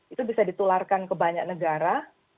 itu bisa ditularkan ke banyak negara